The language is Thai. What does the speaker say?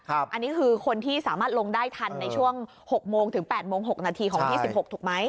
อันนี้คือคนที่สามารถลงได้ทันในช่วง๖โมงถึง๘โมง๖นาทีของวันที่๑๖ถูกไหม